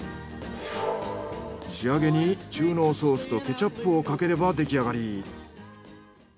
仕上げに中濃ソースとケチャップをかければできあがり。